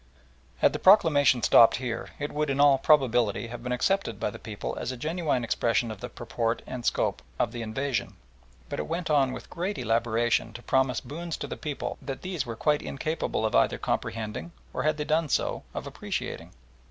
Had the proclamation stopped here it would in all probability have been accepted by the people as a genuine expression of the purport and scope of the invasion, but it went on with great elaboration to promise boons to the people that these were quite incapable of either comprehending, or had they done so, of appreciating.